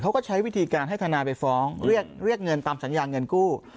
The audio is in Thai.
เขาก็ใช้วิธีการให้ทนายไปฟ้องเรียกเงินตามสัญญาเงินกู้